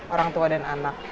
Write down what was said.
orang tua dan anak